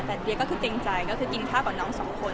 แต่เดียก็คือเกรงใจก็คือกินข้าวกับน้องสองคน